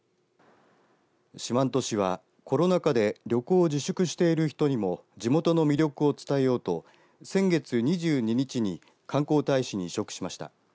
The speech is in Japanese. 四万十市はコロナ禍で旅行を自粛している人にも地元の魅力を伝えようと先月２２日に観光大使に委嘱しました。